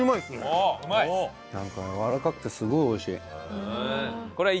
なんかやわらかくてすごい美味しい。